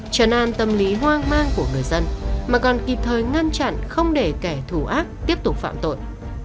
tràn an tâm lý hoang mang của người dân mà còn kịp thời ngăn chặn không để kẻ thù ác tiếp tục phạm tội